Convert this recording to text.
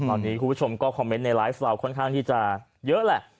ตอนนี้คุณผู้ชมก็คอมเมนต์ในไลฟ์เราค่อนข้างที่จะเยอะแหละ